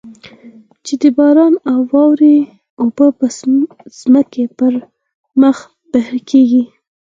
چې د باران او واورې اوبه د ځمکې پر مخ بهېږي.